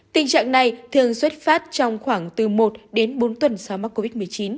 tình trạng này thường xuất phát trong khoảng từ một đến bốn tuần sau mắc covid một mươi chín